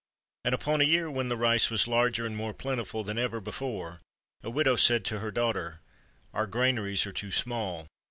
And upon a year when the rice was larger and more plentiful than ever before, a widow said to her daughter, "Our granaries are too small.